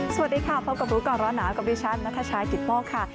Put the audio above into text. สวัสดีค่ะพบกับรู้ก่อนร้อนหนาวกับดิฉันนัทชายกิตโมกค่ะ